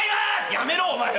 「やめろ！お前。